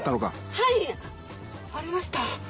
はい！ありました。